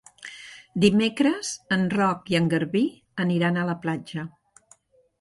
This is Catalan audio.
Dimecres en Roc i en Garbí aniran a la platja.